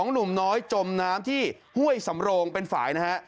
หนุ่มน้อยจมน้ำที่ห้วยสำโรงเป็นฝ่ายนะฮะ